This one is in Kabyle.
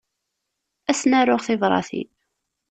Ad sen-aruɣ tibratin.